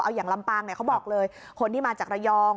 เอาอย่างลำปางเขาบอกเลยคนที่มาจากระยอง